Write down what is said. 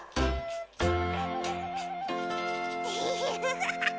フフフフ。